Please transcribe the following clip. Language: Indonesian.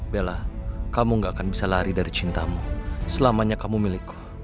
bella kamu gak akan bisa lari dari cintamu selamanya kamu milikku